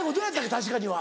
「確かに」は。